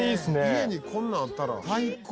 「家にこんなんあったら最高」